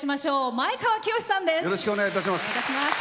前川清さんです。